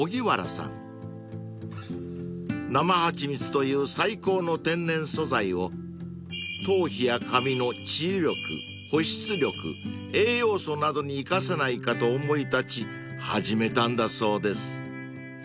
［生はちみつという最高の天然素材を頭皮や髪の治癒力保湿力栄養素などに生かせないかと思い立ち始めたんだそうです］